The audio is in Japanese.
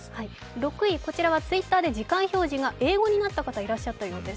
６位はＴｗｉｔｔｅｒで時間表示が英語になった方がいらっしゃったようです。